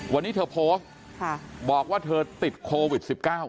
วันนี้เธอโพสต์บอกว่าเธอติดโควิด๑๙